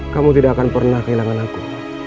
kamu tidak akan pernah kehilangan aku